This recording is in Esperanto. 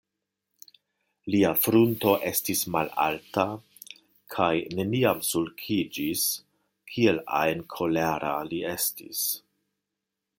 Lia frunto estis malalta kaj neniam sulkiĝis, kiel ajn kolera li estis.